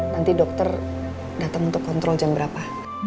nanti dokter datang untuk kontrol jam berapa